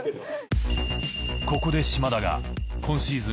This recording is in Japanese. ここで島田が今シーズン